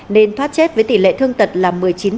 nên thoát chết với tỷ lệ thương tật là một mươi chín